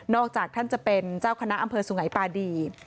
จากท่านจะเป็นเจ้าคณะอำเภอสุงัยปาดี